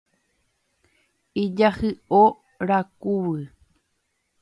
Ijahyʼo rakuvy.